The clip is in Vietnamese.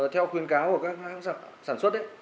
theo khuyên cáo của các sản xuất ấy